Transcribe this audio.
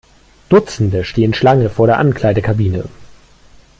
Dutzende stehen Schlange vor der Ankleidekabine.